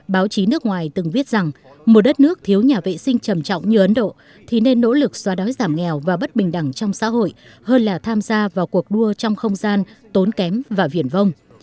báo chí nước ngoài từng viết rằng một đất nước thiếu nhà vệ sinh trầm trọng như ấn độ thì nên nỗ lực xóa đói giảm nghèo và bất bình đẳng trong xã hội hơn là tham gia vào cuộc đua trong không gian tốn kém và viển vong